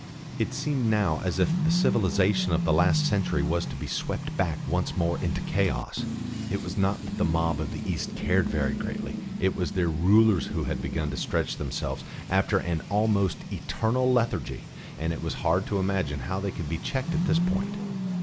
It seemed now as if the civilisation of the last century was to be swept back once more into chaos. It was not that the mob of the East cared very greatly; it was their rulers who had begun to stretch themselves after an almost eternal lethargy, and it was hard to imagine how they could be checked at this point.